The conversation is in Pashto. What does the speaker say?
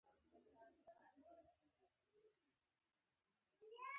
د شرنۍ د بازار چوک ډیر شایسته دي.